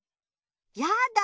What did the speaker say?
やだ！